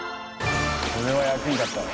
これは役に立ったね。